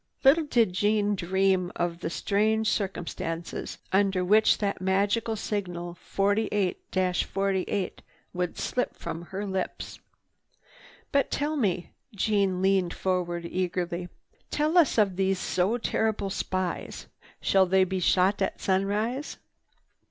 Little did Jeanne dream of the strange circumstances under which that mystic signal 48—48 would slip from her lips. "But tell us—" Jeanne leaned forward eagerly. "Tell us of these so terrible spies. Shall they be shot at sunrise?"